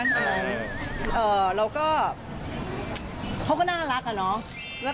แล้วก็เขาก็น่ารักอะเนาะ